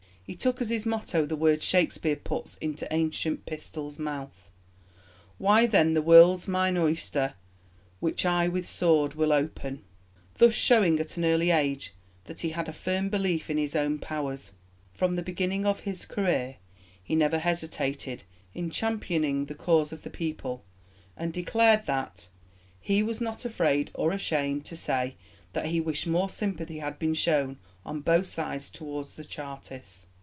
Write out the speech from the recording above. He took as his motto the words Shakespeare puts into Ancient Pistol's mouth, Why, then the world's mine oyster, Which I with sword will open, thus showing at an early age that he had a firm belief in his own powers. From the beginning of his career he never hesitated in championing the cause of the People, and declared that "he was not afraid or ashamed to say that he wished more sympathy had been shown on both sides towards the Chartists."